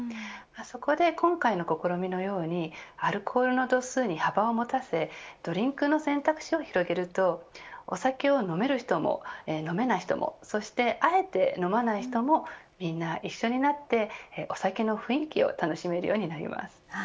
そこで今回の試みのようにアルコールの度数に幅を持たせドリンクの選択肢を広げるとお酒を飲める人も飲めない人もそして、あえて飲まない人もみんな一緒になってお酒の雰囲気を楽しめるようになります。